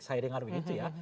saya dengar begitu ya